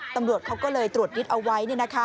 ตำรวจเขาก็เลยตรวจยึดเอาไว้